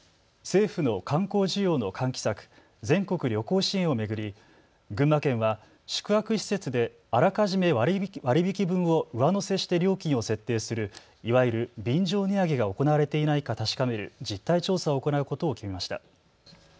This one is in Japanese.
政府の観光需要の喚起策、全国旅行支援を巡り群馬県は宿泊施設であらかじめ割り引き分を上乗せして料金を設定するいわゆる便乗値上げが行われていないか確かめる実態調査を行うことを決めました。